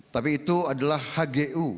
tapi itu adalah hgu